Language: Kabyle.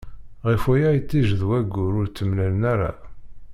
Ɣef waya itij d waggur ur ttemlalen ara.